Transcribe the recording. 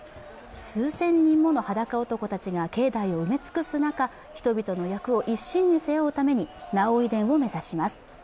数千人ものはだか男たちが境内を埋め尽くす中、人々の厄を一身に背負うために儺追殿を目指します。